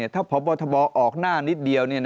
ถ้าพบทบออกหน้านิดเดียว